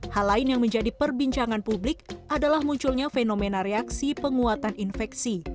hal lain yang menjadi perbincangan publik adalah munculnya fenomena reaksi penguatan infeksi